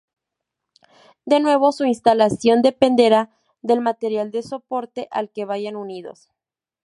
De nuevo su instalación dependerá del material de soporte al que vayan unidos.